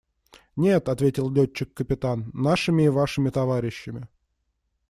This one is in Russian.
– Нет, – ответил летчик-капитан, – нашими и вашими товарищами.